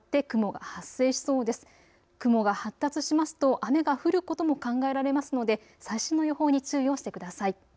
雲が発達しますと雨が降ることも考えられますので最新の予報に注意をしてください。